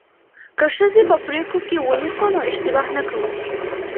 که ښځې په پریکړو کې ونیسو نو اشتباه نه کوو.